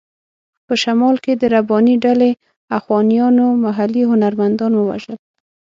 په شمال کې د رباني ډلې اخوانیانو محلي هنرمندان ووژل.